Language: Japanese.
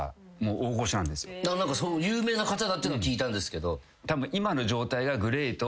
そう有名な方だってのは聞いたんですけど。